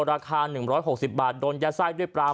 ราคา๑๖๐บาทโดนยัดไส้ด้วยปลา